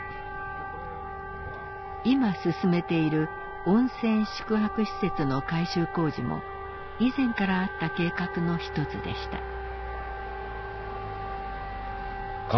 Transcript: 今進めている温泉宿泊施設の改修工事も以前からあった計画の一つでした。